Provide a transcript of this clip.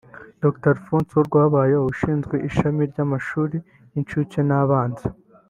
Dr Alphonse Uworwabayeho ushinzwe ishami ry’amashuri y’incuke n’abanza